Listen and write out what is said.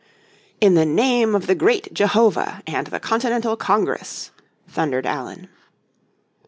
"In the name of the great Jehovah and the Continental Congress," thundered Allen.